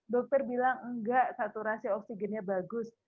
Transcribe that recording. dokter bilang enggak saturasi oksigennya bagus